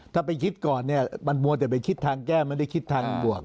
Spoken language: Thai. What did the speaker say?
ถ้าไปคิดก่อนเนี่ยมันมัวแต่ไปคิดทางแก้ไม่ได้คิดทางบวก